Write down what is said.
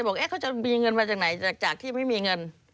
บอกเขาจะมีเงินมาจากไหนจากที่ไม่มีเงิน